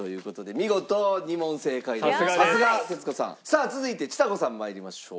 さあ続いてちさ子さん参りましょう。